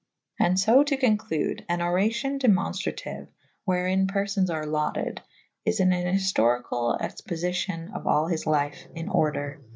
[C i a] And fo to conclude [,J an oracion Demonftratiue / wherein perfones are lauded / is an hiftorycall expofycyon of all his lyfe in order.